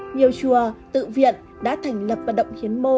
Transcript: nhiều chùa tự viện đã thành lập vận động hiến mô